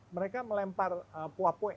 mereka melempar puapue